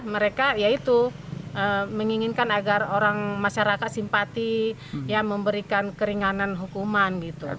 mereka ya itu menginginkan agar orang masyarakat simpati ya memberikan keringanan hukuman gitu